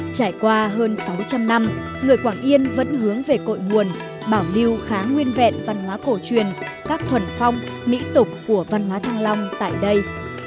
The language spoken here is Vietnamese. trải qua hơn sáu trăm linh năm người quảng yên vẫn hướng về cội nguồn bảo lưu khá nguyên vẹn văn hóa cổ truyền các thuần phong mỹ tục của văn hóa thăng long tại đây